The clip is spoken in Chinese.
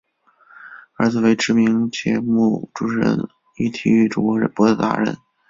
儿子为知名节目主持人与体育主播傅达仁。